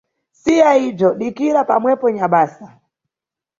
Siya ibzo dikira pamwepo nyabasa.